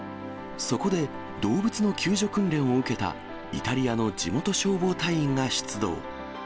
そこで、動物の救助訓練を受けたイタリアの地元消防隊員が出動。